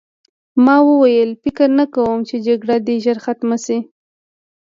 ما وویل فکر نه کوم چې جګړه دې ژر ختمه شي